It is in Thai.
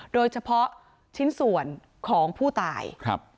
โดยเฉพาะชิ้นส่วนของผู้ตายครับ